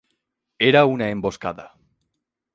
Era una emboscada.